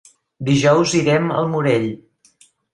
Dijous irem al Morell.